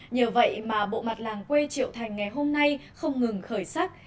nhờ vậy mà bộ mặt làng quê triệu thành ngày hôm nay không ngừng khởi sắc